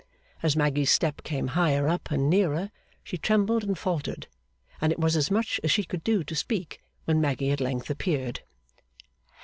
As Maggy's step came higher up and nearer, she trembled and faltered; and it was as much as she could do to speak, when Maggy at length appeared.